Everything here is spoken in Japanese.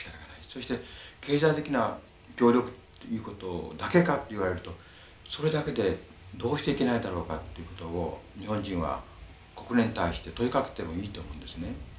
そして経済的な協力ということだけかと言われるとそれだけでどうしていけないんだろうかっていうことを日本人は国連に対して問いかけてもいいと思うんですね。